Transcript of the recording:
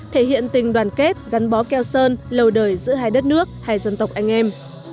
thể hiện tình đoàn kết gắn bó keo sơn lâu đời giữa hai đất nước hai dân tộc anh em